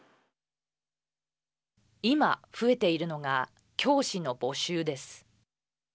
今、増えているのが教師の募集です。